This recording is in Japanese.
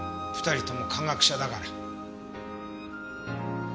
２人共科学者だから。